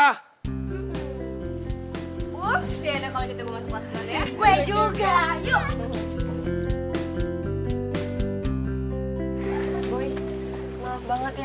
maaf banget ya maaf banget aku tuh bener bener lupa ya